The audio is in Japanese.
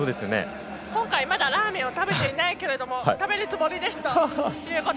今回まだラーメンを食べていないけれども食べるつもりですと。